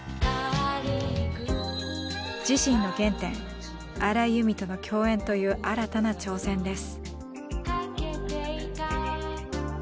自身の原点荒井由実との共演という新たな挑戦です。